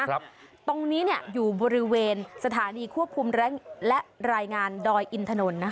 ครับตรงนี้เนี่ยอยู่บริเวณสถานีควบคุมและรายงานดอยอินถนนนะคะ